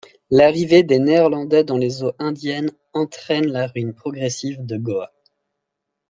L'arrivée des Néerlandais dans les eaux indiennes entraîne la ruine progressive de Goa.